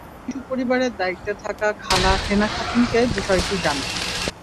সোমবার তারা শিশু পরিবারের দায়িত্বে থাকা খালা হেনা খাতুনকে বিষয়টি জানায়।